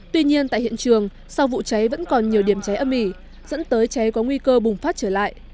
tuy nhiên tại hiện trường sau vụ cháy vẫn còn nhiều điểm cháy âm ỉ dẫn tới cháy có nguy cơ bùng phát trở lại